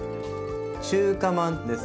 「中華まんです」。